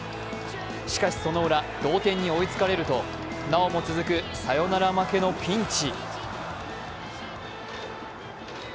しかし、そのウラ同点に追いつかれると、なおも続くサヨナラ負けのピンチ。